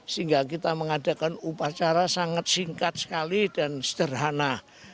sehingga kita mengadakan upacara sangat singkat sekali dan sederhana